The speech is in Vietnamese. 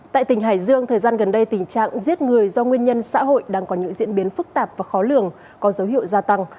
tại tỉnh hải dương thời gian gần đây tình trạng giết người do nguyên nhân xã hội đang có những diễn biến phức tạp và khó lường có dấu hiệu gia tăng